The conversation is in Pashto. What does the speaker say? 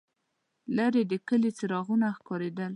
لرې د کلي څراغونه ښکارېدل.